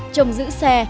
chồng giữ xe